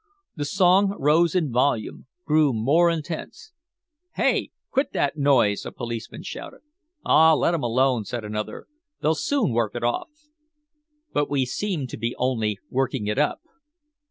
The song rose in volume, grew more intense. "Heigh! Quit that noise!" a policeman shouted. "Aw, let 'em alone," said another. "They'll soon work it off." But we seemed to be only working it up.